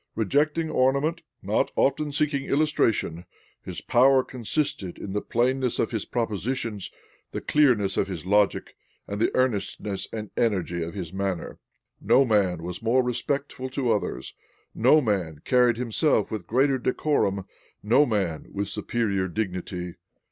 Rejecting ornament, not often seeking illustration; his power consisted in the plainness of his propositions, the clearness of his logic, and the earnestness and energy of his manner. No man was more respectful to others; no man carried himself with greater decorum; no man with superior dignity.